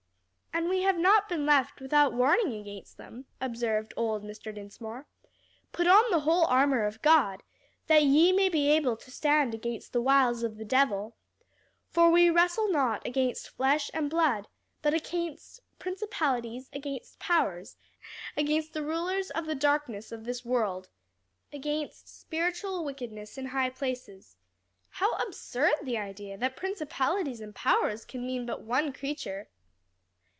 "And we have not been left without warning against them," observed old Mr. Dinsmore. "'Put on the whole armor of God, that ye may be able to stand against the wiles of the devil. For we wrestle not against flesh and blood, but against principalities, against powers, against the rulers of the darkness of this world, against spiritual wickedness in high places.' How absurd the idea that principalities and powers can mean but one creature!"